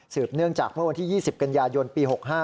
เนื่องจากเมื่อวันที่๒๐กันยายนปี๖๕